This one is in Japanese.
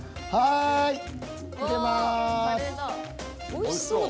おいしそう。